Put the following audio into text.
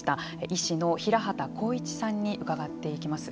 医師の平畑光一さんに伺っていきます。